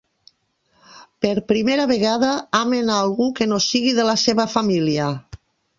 Per primera vegada, amen a algú que no sigui de la seva família.